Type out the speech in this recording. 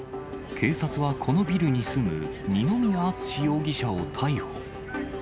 警察はこのビルに住む二宮束司容疑者を逮捕。